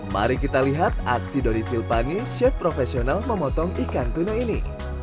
mari kita lihat aksi doni silpani chef profesional memotong ikan tuna ini